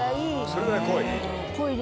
それぐらい濃い？